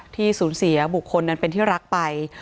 ที่สูญเสียบุคคลนั้นเป็นที่รักไป